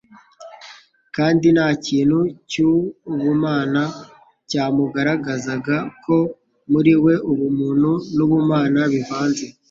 kandi nta kintu cy'ubumana cyamugaragazaga ko muri we ubumuntu n'ubumana bivanze.